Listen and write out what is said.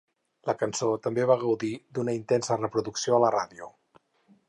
La cançó també va gaudir d'una intensa reproducció a la ràdio.